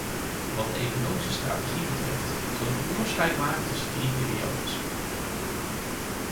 Wat de economische strategie betreft, zal ik een onderscheid maken tussen drie periodes.